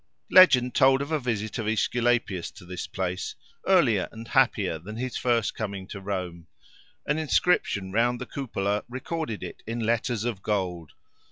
Legend told of a visit of Aesculapius to this place, earlier and happier than his first coming to Rome: an inscription around the cupola recorded it in letters of gold.